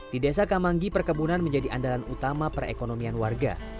di desa kamanggi perkebunan menjadi andalan utama perekonomian warga